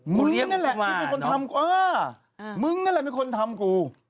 มึงเลี้ยงนั่นแหละที่เป็นคนทำกูมึงนั่นแหละเป็นคนทำกู